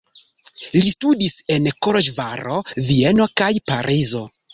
Li studis en Koloĵvaro, Vieno kaj Parizo.